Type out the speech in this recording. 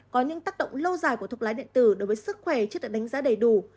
có những tác động lâu dài của thuốc lá điện tử đối với sức khỏe chưa được đánh giá đầy đủ